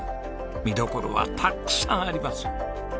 見どころはたくさんあります。